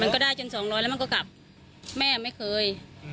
มันก็ได้จนสองร้อยแล้วมันก็กลับแม่ก็ไม่เคย